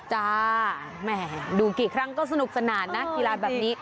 จ้าแหมดูกี่ครั้งก็สนุกสนานนะกีฬาแบบนี้